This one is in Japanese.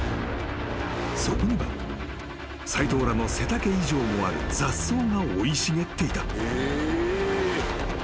［そこには斎藤らの背丈以上もある雑草が生い茂っていた］